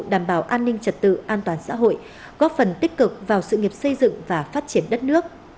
đảm bảo an ninh trật tự an toàn xã hội góp phần tích cực vào sự nghiệp xây dựng và phát triển đất nước